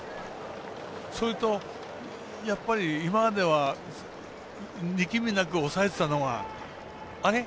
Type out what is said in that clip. それと今までは力みなく抑えていたのがあれ？